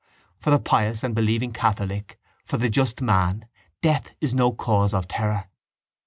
For the pious and believing catholic, for the just man, death is no cause of terror.